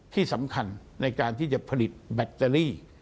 ที่สำคัญในการที่จะผลิตแบตเตอรี่